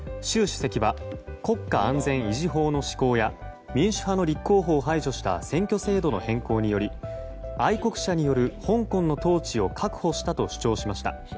主席は国家安全維持法の施行や民主派の立候補を排除した選挙制度の変更により愛国者による香港の統治を確保したと主張しました。